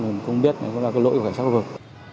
mình không biết nó là cái lỗi của cảnh sát khu vực